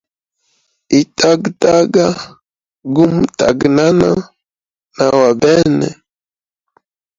Itagataga gumutaganana na wa bene.